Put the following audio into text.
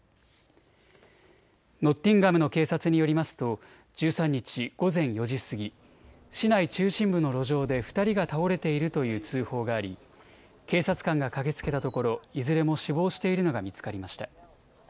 ノッティンガムの警察によりますと１３日午前４時過ぎ、市内中心部の路上で２人が倒れているという通報があり警察官が駆けつけたところいずれも死亡しているのが見つかりました。